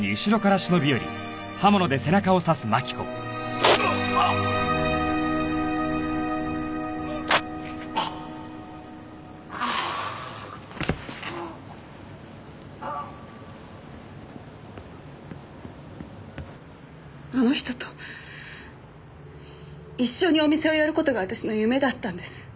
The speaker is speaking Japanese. あの人と一緒にお店をやる事が私の夢だったんです。